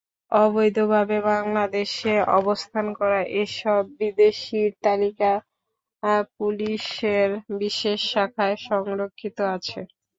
অবৈধভাবে বাংলাদেশে অবস্থান করা এসব বিদেশির তালিকা পুলিশের বিশেষ শাখায় সংরক্ষিত আছে।